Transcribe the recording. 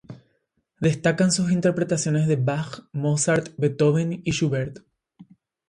Destacan sus interpretaciones de Bach, Mozart, Beethoven y Schubert.